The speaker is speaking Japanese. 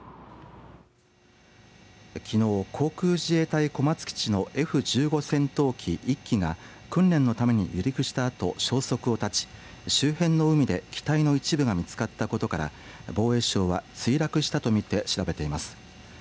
きのう、航空自衛隊小松基地のＦ１５戦闘機１機が訓練のために離陸したあと、消息を絶ち周辺の海で機体の一部が見つかったことから防衛省は墜落したとみて調べています。